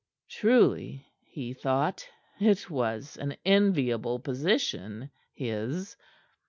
Truly, he thought, it was an enviable position, his.